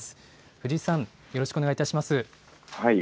藤井さん、よろしくお願いいたします。